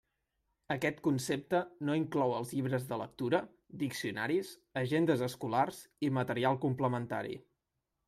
Aquest concepte no inclou els llibres de lectura, diccionaris, agendes escolars i material complementari.